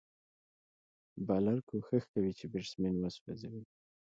بالر کوښښ کوي، چي بېټسمېن وسوځوي.